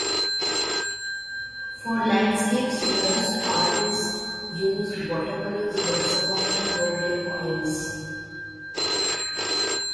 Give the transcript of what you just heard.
For landscapes, most artists used watercolours, but some of them worked in oils.